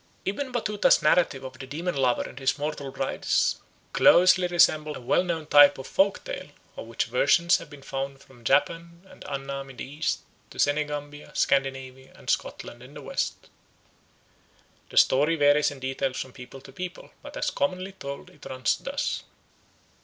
Ibn Batutah's narrative of the demon lover and his mortal brides closely resembles a well known type of folk tale, of which versions have been found from Japan and Annam in the East to Senegambia, Scandinavia, and Scotland in the West. The story varies in details from people to people, but as commonly told it runs thus.